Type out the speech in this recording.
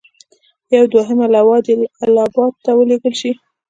یوه دوهمه لواء دې اله اباد ته ولېږل شي.